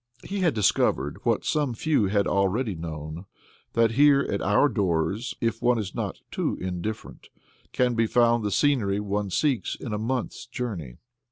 He had discovered what some few had already known, that here at our doors, if one is not too indifferent, can be found the scenery one seeks in a month's journey.